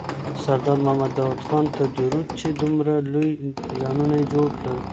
سردار محمد داود خان ته درود چي دومره لوی پلانونه یې جوړ کړل.